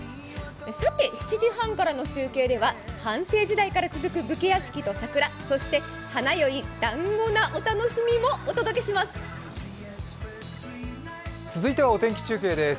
さて、７時半からの中継では藩政時代から続く武家屋敷と桜、花より団子なお楽しみもお届けします。